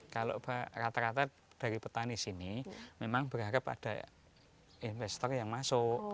kalau rata rata dari petani sini memang berharap ada investor yang masuk